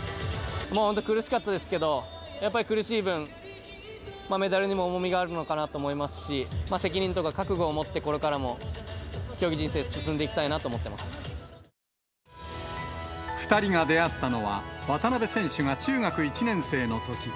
もう本当苦しかったですけど、やっぱり苦しい分、メダルにも重みがあるのかなと思いますし、責任とか覚悟を持って、これからも競技人生、進んでいきたいなと２人が出会ったのは、渡辺選手が中学１年生のとき。